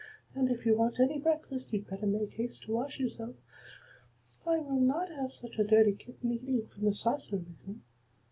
And if you want any breakfast you'd better make haste to wash yourself. I will not have such a dirty kitten eating from the saucer with me."